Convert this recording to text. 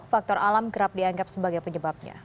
faktor alam kerap dianggap sebagai penyebabnya